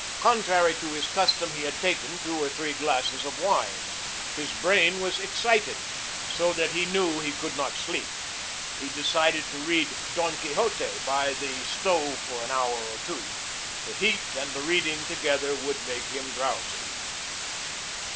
Contrary to his custom, he had taken two or three glasses of wine. His brain was excited so that he knew he could not sleep. He decided to read "Don Quixote" by the stove for an hour or two. The heat and the reading together would make him drowsy.